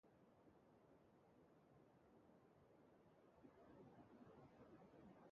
Joan Etxaide kalea eta Getaria kalearekiko paraleloki doa.